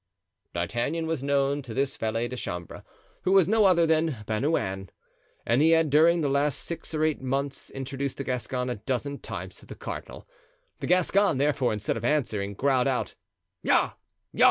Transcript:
D'Artagnan was known to this valet de chambre, who was no other than Bernouin, and he had during the last six or eight months introduced the Gascon a dozen times to the cardinal. The Gascon, therefore, instead of answering, growled out "Ja!